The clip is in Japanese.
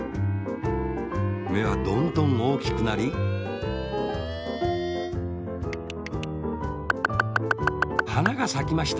めはどんどんおおきくなりはながさきました。